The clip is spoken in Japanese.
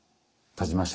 点ちました。